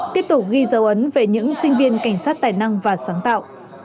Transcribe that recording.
tiếp tục ghi dấu ấn về những sinh viên cảnh sát tài năng và sáng tạo